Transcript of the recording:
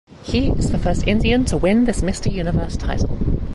He is the first Indian to win this Mister Universe title.